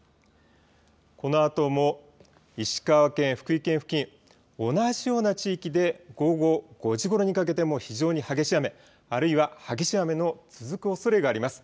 このあとも石川県、福井県付近、同じような地域で午後５時ごろにかけても非常に激しい雨、あるいは激しい雨の続くおそれがあります。